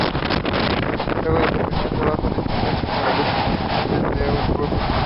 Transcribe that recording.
Luego de su primer trabajo discográfico, realizan conciertos en Bielorrusia.